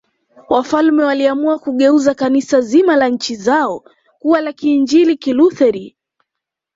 Wafalme waliamua kugeuza Kanisa zima la nchi zao kuwa la Kiinjili Kilutheri